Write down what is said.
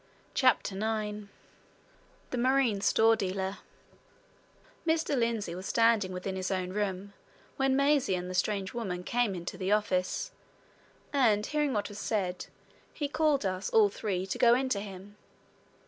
CHAPTER IX THE MARINE STORE DEALER Mr. Lindsey was standing just within his own room when Maisie and the strange woman came into the office, and hearing what was said, he called us all three to go into him.